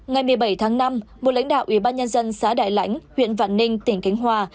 ngày một mươi bảy tháng năm một lãnh đạo ủy ban nhân dân xã đại lãnh huyện vạn ninh tỉnh khánh hòa